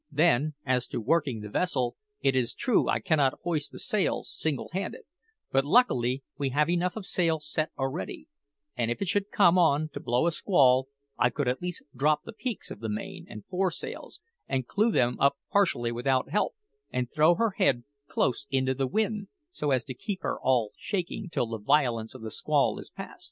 Then, as to working the vessel, it is true I cannot hoist the sails single handed, but luckily we have enough of sail set already; and if it should come on to blow a squall, I could at least drop the peaks of the main and fore sails, and clew them up partially without help, and throw her head close into the wind, so as to keep her all shaking till the violence of the squall is past.